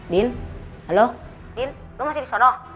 din halo din lu masih disana